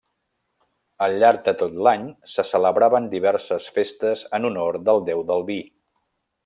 Al llarg de tot l'any se celebraven diverses festes en honor del déu del vi.